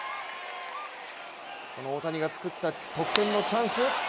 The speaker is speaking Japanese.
その大谷が作った得点のチャンス。